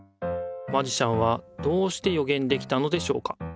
マジシャンはどうしてよげんできたのでしょうか。